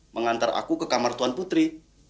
mengantar aku ke kamar tuan putri